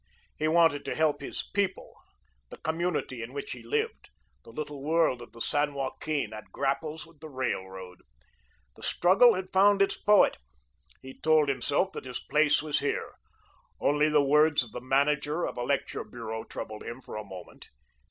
He wanted to help his People, the community in which he lived the little world of the San Joaquin, at grapples with the Railroad. The struggle had found its poet. He told himself that his place was here. Only the words of the manager of a lecture bureau troubled him for a moment.